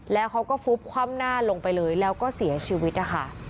แล้วเขาก็ฟุบคว่ำหน้าลงไปเลยแล้วก็เสียชีวิตนะคะ